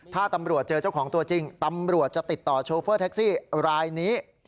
ถ้าตำรวจเจอเจ้าของตัวจริงตำรวจจะติดต่อโชเฟอร์แท็กซี่รายนี้